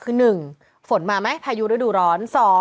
คือ๑ฝนมาไหมพายุฤดูร้อน